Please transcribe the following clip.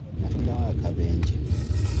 Nafunira wa akabenje?